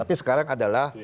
tapi sekarang adalah